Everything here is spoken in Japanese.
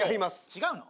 違うの？